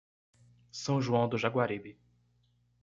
São João do Jaguaribe